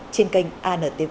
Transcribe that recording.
trên kênh antv